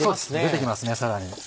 出てきますねさらに。